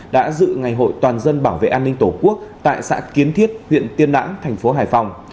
đã dự ngày hội toàn dân bảo vệ an ninh tổ quốc tại xã kiến thiết huyện tiên lãng thành phố hải phòng